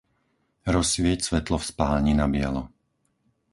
Rozsvieť svetlo v spálni na bielo.